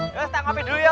ya setengah api dulu ya